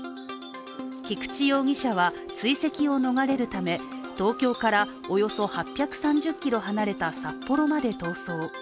菊池容疑者は追跡を逃れるため、東京からおよそ８３０ｋｍ離れた札幌まで逃走。